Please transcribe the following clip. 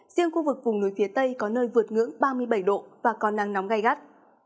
riêng khu vực vùng núi phía tây có nơi vượt ngưỡng ba mươi bảy độ và có nắng nóng gai gắt